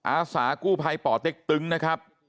อาสากู้ภัยป่อเต็กตึงนะครับ